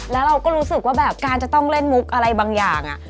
แล้วเราก็รู้สึกว่าแบบการจะต้องเล่นมุกอะไรบางอย่าง